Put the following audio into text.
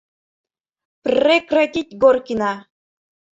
Пр-рекратить, Горкина!